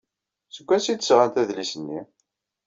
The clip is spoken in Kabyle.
Seg wansi ay d-sɣan adlis-nni?